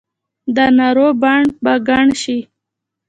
دا نارو بڼ به ګڼ شي